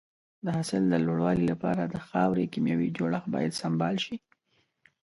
د حاصل د لوړوالي لپاره د خاورې کيمیاوي جوړښت باید سمبال شي.